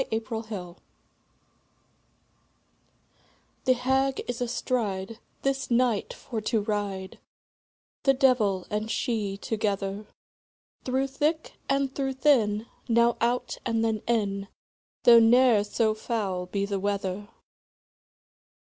THE HAG The Hag is astride, This night for to ride, The devil and she together; Through thick and through thin, Now out, and then in, Though ne'er so foul be the weather.